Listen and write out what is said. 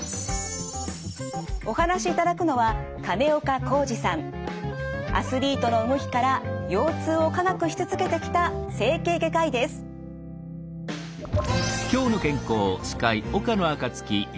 お話しいただくのはアスリートの動きから腰痛を科学し続けてきた整形外科医です。